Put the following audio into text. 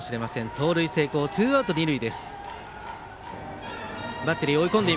盗塁成功、ツーアウト二塁。